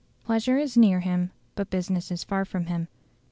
Pleasure is near him, but business is far from him.